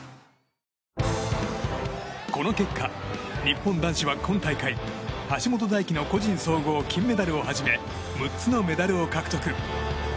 この結果、日本男子は今大会橋本大輝の個人総合金メダルをはじめ６つのメダルを獲得。